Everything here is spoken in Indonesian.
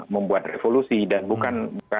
membuat revolusi dan bukan